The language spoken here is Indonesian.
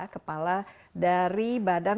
kepala dari badan